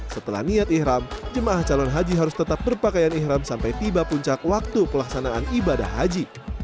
setelah niat ikhram jemaah calon haji harus tetap berpakaian ikhram sampai tiba puncak waktu pelaksanaan ibadah haji